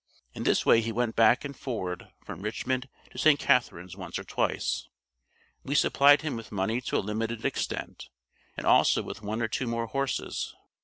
In this way he went back and forward from Richmond to St. Catherine's once or twice. We supplied him with money to a limited extent, and also with one or two more horses.